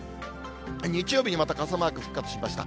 日曜日にまた傘マーク復活しました。